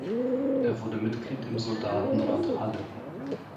Er wurde Mitglied im Soldatenrat Halle.